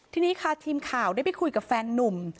ทีนี้ค่ะทีมข่าวได้ไปคุยกับแฟนนุ่ม